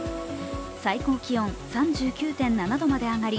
最高気温３９．７度まで上がり